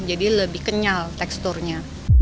jadi lebih kenyal teksturnya